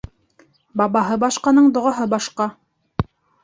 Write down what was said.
Бабаһы башҡаның доғаһы башҡа.